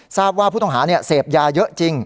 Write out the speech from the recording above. ทราบว่าผู้ต้องหาเสพยาเยอะจริง